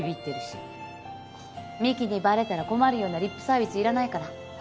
美樹にバレたら困るようなリップサービスいらないから。